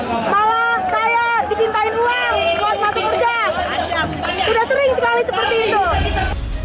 tidak ada malah saya dipintain uang buat masuk kerja udah sering sekali seperti itu